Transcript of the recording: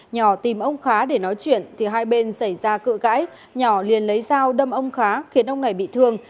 nhỏ tìm ông khá để nói chuyện thì hai bên xảy ra cự cãi nhỏ liền lấy dao đâm ông khá khiến ông này bị thương